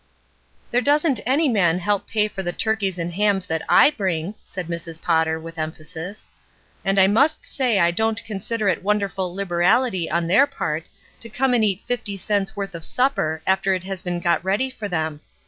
''There doesn^t any man help pay for the turkeys and hams that I bring," said Mrs. Potter, with emphasis. "And I must say I don't consider it wonderful liberality on their part to come and eat fifty cents' worth of supper after it has been got ready for them.